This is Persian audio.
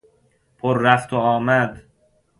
پررفت وآمد